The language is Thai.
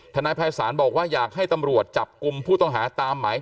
นายภัยศาลบอกว่าอยากให้ตำรวจจับกลุ่มผู้ต้องหาตามหมาย